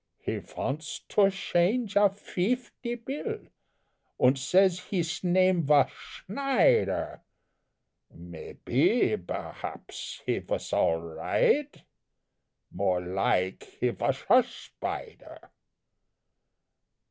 He vants to shange a feefty bill, Und says hees name vas Schneider Maype, berhaps, he vas all righdt; More like he vas a shpider.